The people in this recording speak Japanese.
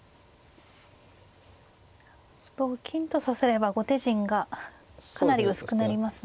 同金と指せれば後手陣がかなり薄くなりますね。